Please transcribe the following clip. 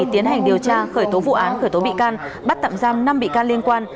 tiến hành điều tra khởi tố vụ án khởi tố bị can bắt tạm giam năm bị can liên quan